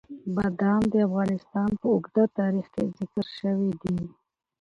بادام د افغانستان په اوږده تاریخ کې ذکر شوي دي.